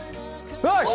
よし。